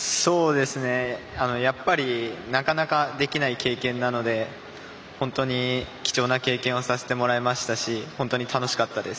やっぱりなかなかできない経験なので本当に貴重な経験をさせてもらいましたし本当に楽しかったです。